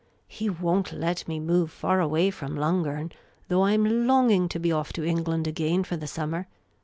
He won't let me move far away from Lungern, though I 'm longing to be off to England again for the summer.